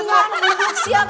siap siap siap